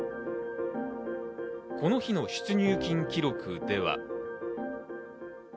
この日の出入金記録では。